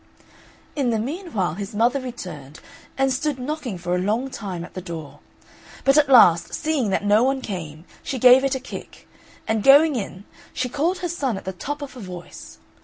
In the meanwhile his mother returned, and stood knocking for a long time at the door; but at last, seeing that no one came, she gave it a kick; and going in, she called her son at the top of her voice.